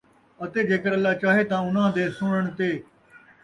اَتے جیکر اللہ چاہے تاں اُنھاں دے سُݨݨ تے